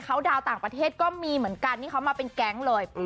เขาดาวนต่างประเทศก็มีเหมือนกันนี่เขามาเป็นแก๊งเลย